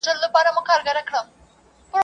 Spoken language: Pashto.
دا څه سوز یې دی اواز کی څه شرنگی یې دی په ساز کی !.